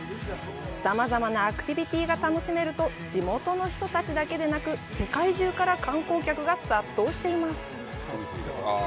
さまざまなアクティビティが楽しめると地元の人たちだけでなく世界中から観光客が殺到しています。